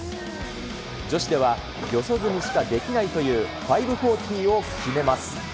女子では四十住しかできないという５４０を決めます。